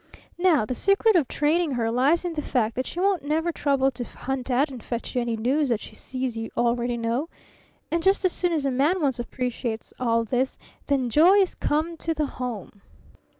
Now, the secret of training her lies in the fact that she won't never trouble to hunt out and fetch you any news that she sees you already know. And just as soon as a man once appreciates all this then Joy is come to the Home!